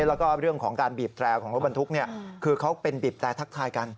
แล้วก็เรื่องของการบีบแตรของรถบรรทุกคือเขาเป็นบีบแตรทักทายกัน